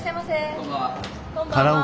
こんばんは。